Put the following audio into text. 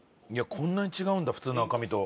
こんなに違うんだ普通の赤身と。